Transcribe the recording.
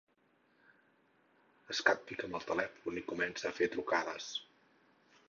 Es capfica amb el telèfon i comença a fer trucades.